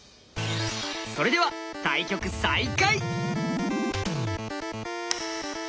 それでは対局再開。